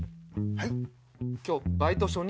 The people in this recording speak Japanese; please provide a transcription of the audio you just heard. はい。